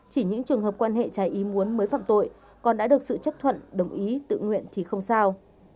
chỉ những trường hợp quan hệ trải ý muốn mới phạm tội còn đã được sự chấp thuận đồng ý tự nguyện thì không sao